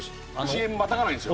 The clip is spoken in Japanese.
ＣＭまたがないんですよ